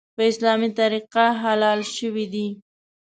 په اسلامي طریقه حلال شوی دی .